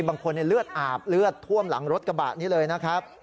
บางคนเลือดอาบเลือดท่วมหลังรถกระบะนี้เลยนะครับ